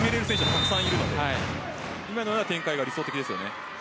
たくさんいるので今のような展開が理想的ですよね。